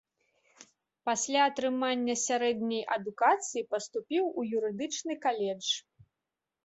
Пасля атрымання сярэдняй адукацыі паступіў у юрыдычны каледж.